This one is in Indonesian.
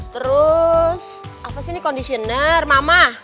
terus apa sih ini conditioner mama